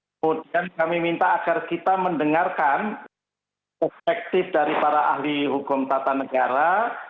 kemudian kami minta agar kita mendengarkan perspektif dari para ahli hukum tata negara